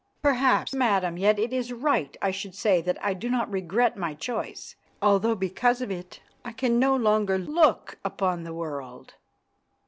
"Perhaps, Madam; yet it is right I should say that I do not regret my choice, although because of it I can no longer look upon the world."